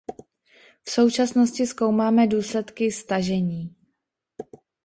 V současnosti zkoumáme důsledky stažení.